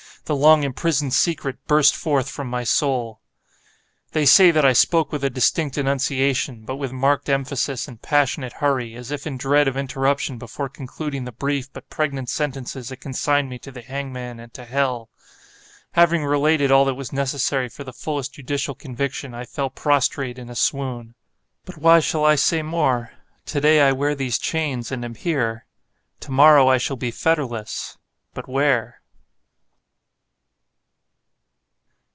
The long imprisoned secret burst forth from my soul. They say that I spoke with a distinct enunciation, but with marked emphasis and passionate hurry, as if in dread of interruption before concluding the brief but pregnant sentences that consigned me to the hangman and to hell. Having related all that was necessary for the fullest judicial conviction, I fell prostrate in a swoon. But why shall I say more? To day I wear these chains, and am here! To morrow I shall be fetterless!—_but where?